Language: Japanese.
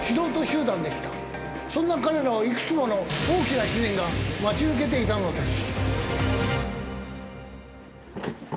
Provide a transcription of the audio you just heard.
そんな彼らを幾つもの大きな試練が待ち受けていたのです。